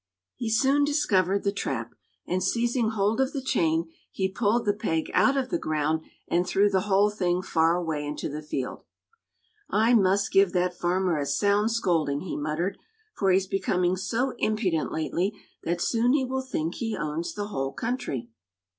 He soon discovered the trap, and seizing hold of the chain he pulled the peg out of the ground and threw the whole thing far away into the field. "I must give that farmer a sound scolding," he muttered, "for he's becoming so impudent lately that soon he will think he owns the whole country."